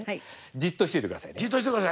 じっとしててください。